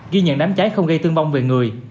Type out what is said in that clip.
ghi nhận đám cháy không gây thương vong về người